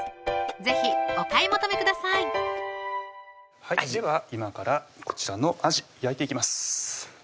是非お買い求めくださいでは今からこちらのあじ焼いていきます